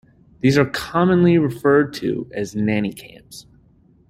These are commonly referred to as nanny cams.